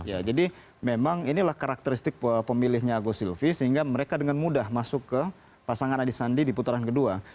ya jadi memang inilah karakteristik pemilihnya agus silvi sehingga mereka dengan mudah masuk ke pasangan anisandi di putaran kedua